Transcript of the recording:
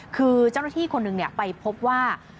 คือเจ้าหน้าที่คนหนึ่งไปพบว่า